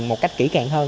một cách kỹ càng hơn